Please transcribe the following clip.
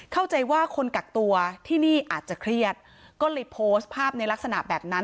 เข้าใจว่าคนกักตัวที่นี่อาจจะเครียดก็เลยโพสต์ภาพในลักษณะแบบนั้น